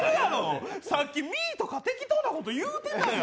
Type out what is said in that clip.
さっきミーとか適当なこと、言うてたやん。